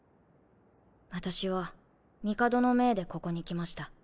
私は帝の命でここに来ました。